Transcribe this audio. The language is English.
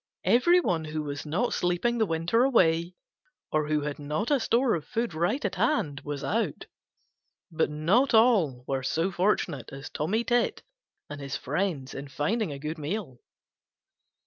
Everybody who was not sleeping the winter away, or who had not a store of food right at hand, was out. But not all were so fortunate as Tommy Tit and his friends in finding a good meal.